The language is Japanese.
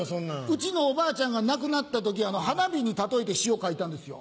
うちのおばあちゃんが亡くなった時花火に例えて詩を書いたんですよ。